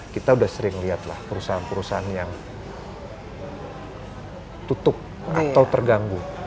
kita udah sering lihat lah perusahaan perusahaan yang tutup atau terganggu